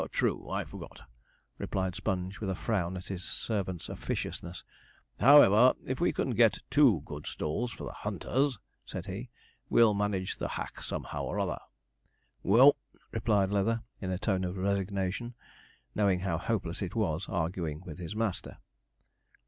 'True, I forgot,' replied Sponge, with a frown at his servant's officiousness; 'however, if we can get two good stalls for the hunters,' said he, 'we'll manage the hack somehow or other.' 'Well,' replied Mr. Leather, in a tone of resignation, knowing how hopeless it was arguing with his master.